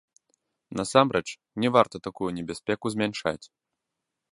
Насамрэч, не варта такую небяспеку змяншаць.